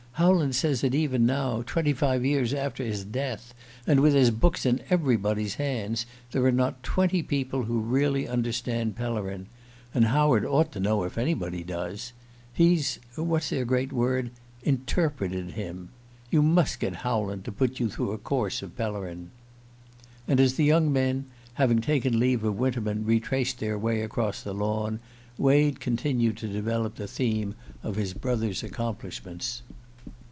Howland says that even now, twenty five years after his death, and with his books in everybody's hands, there are not twenty people who really understand Pellerin; and Howland ought to know, if anybody does. He's what's their great word? interpreted him. You must get Howland to put you through a course of Pellerin." And as the young men, having taken leave of Winterman, retraced their way across the lawn, Wade continued to develop the theme of his brother's accomplishments.